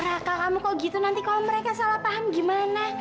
rakal kamu kok gitu nanti kalau mereka salah paham gimana